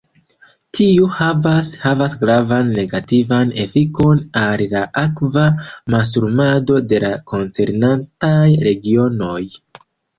Tiu havas havas gravan negativan efikon al la akva mastrumado de la koncernantaj regionoj.